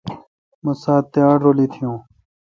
مہ سات تے آڑھ رل ایتیون